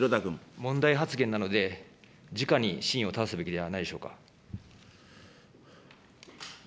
問題発言なので、じかに真意をただすべきではないでしょうか。